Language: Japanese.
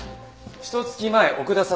ひと月前奥田彩